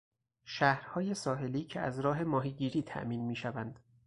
شهرهای ساحلی که از راه ماهیگیری تامین میشوند